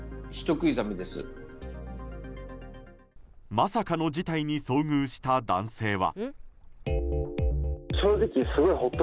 まさかの事態に遭遇した男性は。